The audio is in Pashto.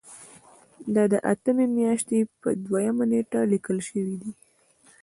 دا د اتمې میاشتې په دویمه نیټه لیکل شوی دی.